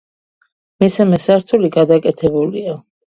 მესამე სართული გადაკეთებულია.